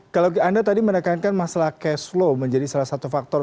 kalau anda tadi menekankan masalah cash flow menjadi salah satu faktor